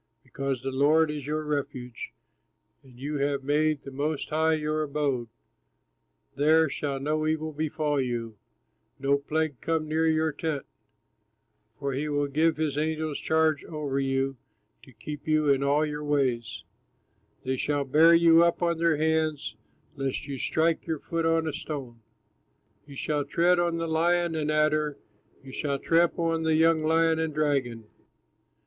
Because the Lord is your refuge, And you have made the Most High your abode, There shall no evil befall you, No plague come near your tent; For he will give his angels charge over you, To keep you in all your ways; They shall bear you up on their hands, Lest you strike your foot on a stone. You shall tread on the lion and adder, You shall trample on the young lion and dragon.